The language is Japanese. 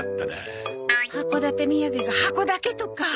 函館土産が箱だけとか。